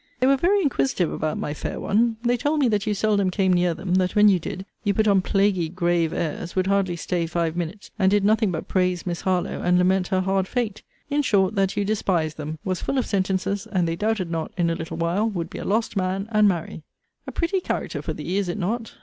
They were very inquisitive about my fair one. They told me that you seldom came near them; that, when you did, you put on plaguy grave airs; would hardly stay five minutes; and did nothing but praise Miss Harlowe, and lament her hard fate. In short, that you despised them; was full of sentences; and they doubted not, in a little while, would be a lost man, and marry. A pretty character for thee, is it not?